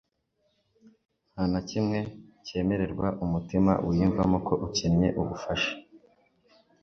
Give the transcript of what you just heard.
Nta na kimwe kemererwa umutima wiyumvamo ko ukencye ubufasha,